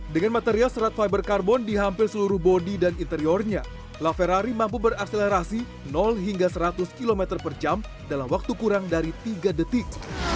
dengan material serat fiber karbon di hampir seluruh bodi dan interiornya la ferrari mampu berakselerasi hingga seratus km per jam dalam waktu kurang dari tiga detik